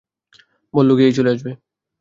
বললো, গিয়েই চলে আসবে।